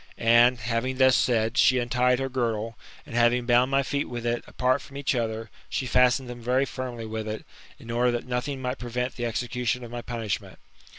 And, having thus said, she untied her girdle, and, having bound my feet with it, apart from each other, she fastened them very firmly with it, in order that nothing might prevent the execution of my punishment.